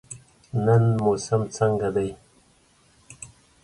نن موسم څنګه دی؟